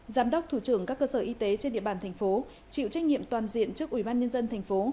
giám đốc thủ trưởng các cơ sở y tế trên địa bàn thành phố chịu trách nhiệm toàn diện trước ủy ban nhân dân thành phố